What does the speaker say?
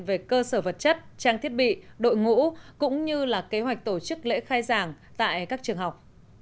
về cơ sở vật chất trang thiết bị đội ngũ cũng như là kế hoạch tổ chức lễ khai giảng tại các trường học